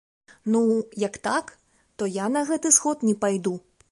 Ну, як так, то я на гэты сход не пайду!